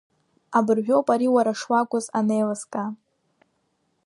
Абыржәоуп ари уара шуакәыз анеилыскаа.